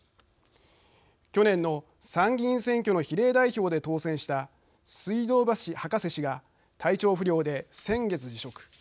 去年の参議院選挙の比例代表で当選した水道橋博士氏が体調不良で先月辞職。